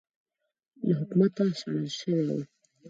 له حکومته شړل شوی و